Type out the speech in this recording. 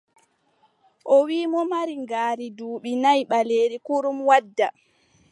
O wiʼi mo mari ngaari duuɓi nayi ɓaleeri kurum wadda.